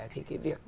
thì cái việc